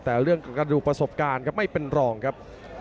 แต่เรื่องกระดูกประสบการณ์ครับไม่เป็นรองครับ